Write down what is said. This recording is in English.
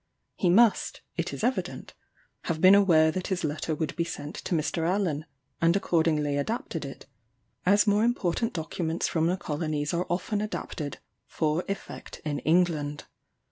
He must, it is evident, have been aware that his letter would be sent to Mr. Allen, and accordingly adapted it, as more important documents from the colonies are often adapted, for effect in England.